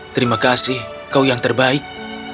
terima kasih kau yang terbaik